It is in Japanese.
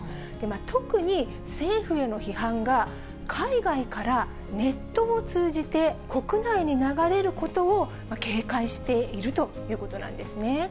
特に、政府への批判が海外からネットを通じて国内に流れることを警戒しているということなんですね。